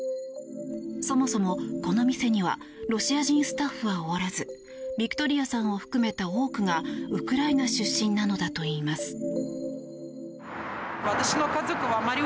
そもそも、この店にはロシア人スタッフはおらずヴィクトリアさんを含めた多くがウクライナ出身なのだといいます。